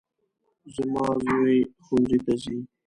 زما زوی ښوونځي ته ځي